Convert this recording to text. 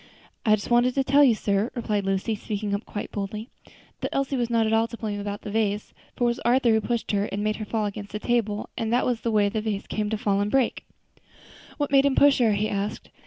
"I just wanted to tell you, sir," replied Lucy, speaking up quite boldly, "that Elsie was not at all to blame about the vase; for it was Arthur who pushed her and made her fall against the table, and that was the way the vase came to fall and break." "What made him push her?" he asked.